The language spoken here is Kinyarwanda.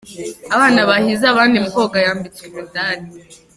Abana bahize abandi mu koga yambitswe imidari.